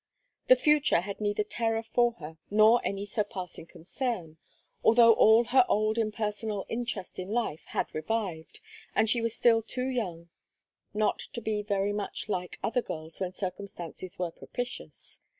The future had neither terror for her nor any surpassing concern, although all her old impersonal interest in life had revived, and she was still too young not to be very much like other girls when circumstances were propitious.